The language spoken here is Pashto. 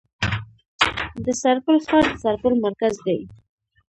د سرپل ښار د سرپل مرکز دی